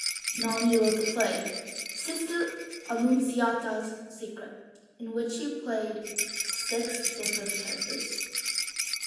Nonnie wrote the play "Sister Annunciata's Secret", in which she played six different characters.